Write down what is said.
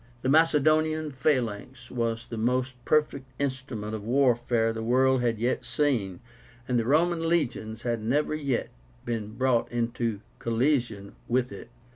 The Macedonian phalanx was the most perfect instrument of warfare the world had yet seen, and the Roman legions had never yet been brought into collision with it.